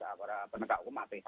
aparat penegak umum aph